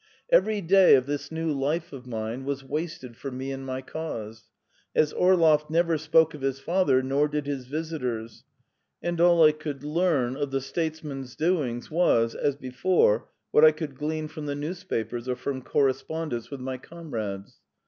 Every day of this new life of mine was wasted for me and my cause, as Orlov never spoke of his father, nor did his visitors, and all I could learn of the stateman's doings was, as before, what I could glean from the newspapers or from correspondence with my comrades.